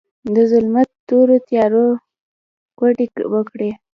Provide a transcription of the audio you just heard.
د ظلمت تورو تیارو، کوډې وکړې